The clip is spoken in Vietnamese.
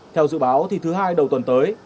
theo dự báo thì thứ hai đầu tuần tới